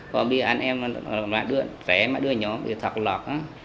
còn bây giờ anh em rẻ mà đưa nhóm đi học lọc